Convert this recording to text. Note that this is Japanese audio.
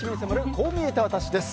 こう見えてワタシです。